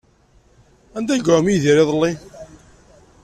Anda ay iɛum Yidir iḍelli?